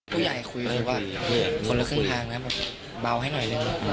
ผู้ใหญ่คุยว่าคนละครึ่งทางแบบเบาให้หน่อยนึง